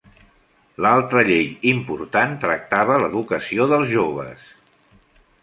L'altra llei important tractava l'educació dels joves.